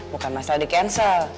bukan masalah di cancel